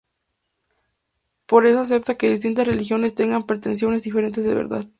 Por eso acepta que distintas religiones tengan pretensiones diferentes de verdad.